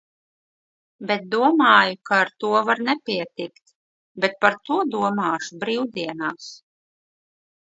Bet domāju, ka ar to var nepietikt. Bet par to domāšu brīvdienās.